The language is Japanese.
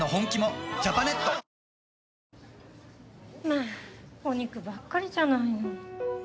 まあお肉ばっかりじゃないの。